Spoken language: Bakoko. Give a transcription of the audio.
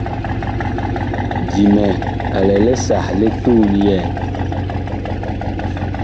Dimɛ a lɛ li sah li tuun yɛɛ.